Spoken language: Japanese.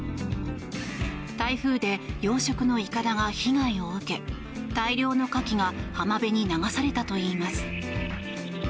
台風で養殖のいかだが被害を受け大量のカキが浜辺に流されたといいます。